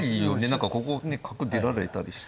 何かここね角出られたりして。